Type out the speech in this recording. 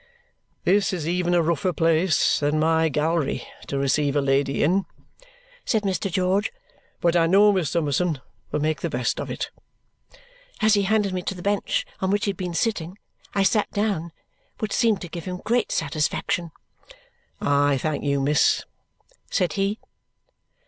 "This is even a rougher place than my gallery to receive a lady in," said Mr. George, "but I know Miss Summerson will make the best of it." As he handed me to the bench on which he had been sitting, I sat down, which seemed to give him great satisfaction. "I thank you, miss," said he.